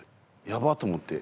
やばっ！と思って。